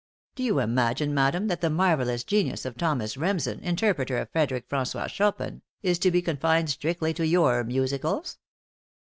Do you imagine, madame, that the marvelous genius of Thomas Remsen, interpreter of Frederic François Chopin, is to be confined strictly to your musicals?